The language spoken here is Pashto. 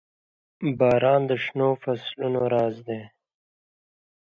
• باران د شنو فصلونو راز دی.